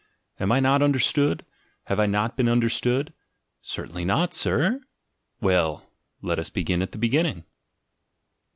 — Am I not understood? — Have I not been understood? — "Certainly not, sir?" — Well, let us begin at the beginning.